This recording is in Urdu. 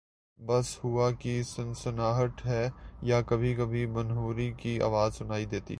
بس ہوا کی سنسناہٹ ہے یا کبھی کبھی بھنورے کی آواز سنائی دیتی